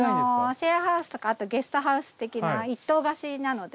シェアハウスとかあとゲストハウス的な一棟貸しなので。